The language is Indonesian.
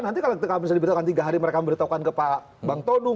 nanti kalau diberitahu kan tiga hari mereka beritahu kan ke pak bang todung